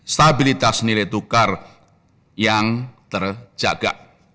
stabilitas nilai tukar yang terjaga